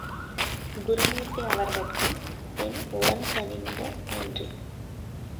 குருமூர்த்தி அவர்கட்கும் என் உளங்கனிந்த நன்றி.